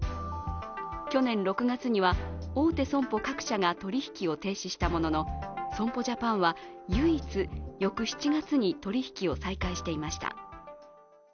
去年６月には大手損保各社が取り引きを停止したものの、損保ジャパンは唯一翌７月に取り引きを再開していました。